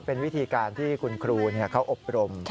เป็นวิธีการที่คุณครูเขาอบรม